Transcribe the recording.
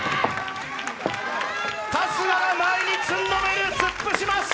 春日が前につんのめる、突っ伏します。